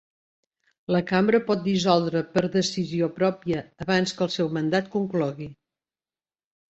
La Cambra pot dissoldre per decisió pròpia abans que el seu mandat conclogui.